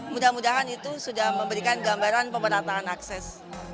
mudah mudahan itu sudah memberikan gambaran pemerataan akses